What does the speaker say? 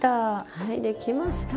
はい出来ました！